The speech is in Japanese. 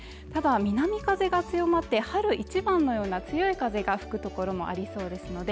ただ南風が強まって春一番のような強い風が吹く所もありそうです